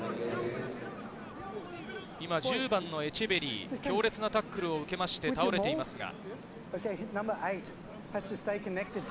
今、１０番のエチェベリー、強烈なタックルを受けまして倒れていますが。